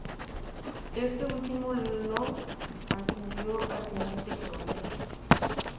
Este último lo ascendió a teniente coronel.